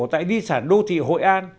tại di sản đô thị hội an